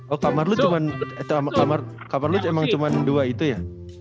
oh kamar lu cuma kamar lu emang cuma dua itu ya